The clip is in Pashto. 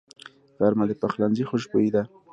غرمه د پخلنځي خوشبويي ده